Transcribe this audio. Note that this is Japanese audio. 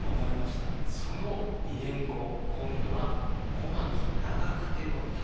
その２年後今度は小牧・長久手の戦い。